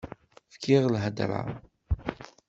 Fkiɣ lhedra.